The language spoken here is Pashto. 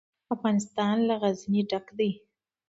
افغانستان له غزني ډک دی.